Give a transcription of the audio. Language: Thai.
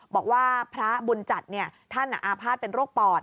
บอกว่าพระบุญจัดท่านอาภาษณ์เป็นโรคปอด